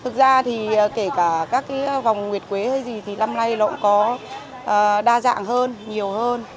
thực ra thì kể cả các cái vòng nguyệt quế hay gì thì năm nay nó cũng có đa dạng hơn nhiều hơn